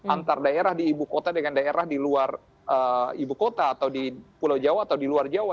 antar daerah di ibu kota dengan daerah di luar ibu kota atau di pulau jawa atau di luar jawa